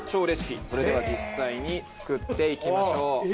それでは実際に作っていきましょう。